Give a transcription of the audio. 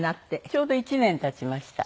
ちょうど１年経ちました。